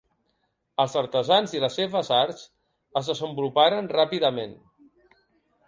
Els artesans i les seves arts es desenvoluparen ràpidament.